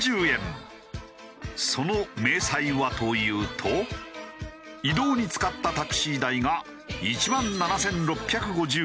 その明細はというと移動に使ったタクシー代が１万７６５０円。